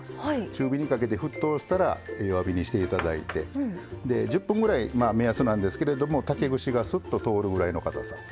中火にかけて沸騰したら弱火にしていただいて１０分ぐらい目安なんですけれども竹串がスッと通るぐらいのかたさ。